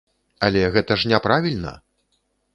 Але гэта ж няправільна!